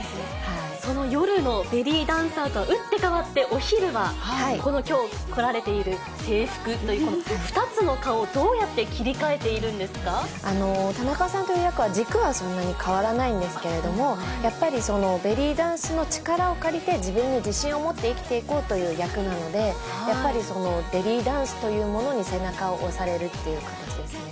その夜のベリーダンサーとは打って変わってお昼は、この、きょう来られている制服という２つの顔をどうやって切り替えてい田中さんという役は、軸はそんなに変わらないんですけれども、やっぱりベリーダンスの力を借りて、自分に自信を持って生きていこうという役なので、やっぱりベリーダンスというものに背中を押されるっていう形ですね。